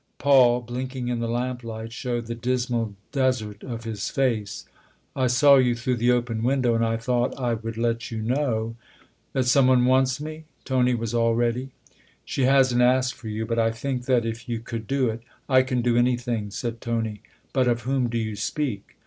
Paul, blinking in the lamplight, showed the dismal desert of his face. " I saw you through the open window, and I thought I would let you know " That some one wants me ?" Tony was all ready. " She hasn't asked for you ; but I think that if you could do it " I can do anything," said Tony. " But of whom do you speak